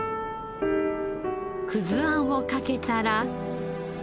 あんをかけたら。